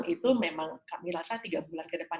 itu memang kami rasa tiga bulan ke depan